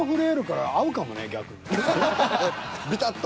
ビタッと。